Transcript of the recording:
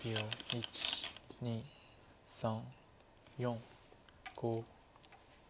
１２３４５。